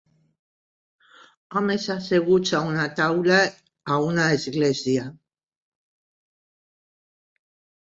Homes asseguts a una taula a una església.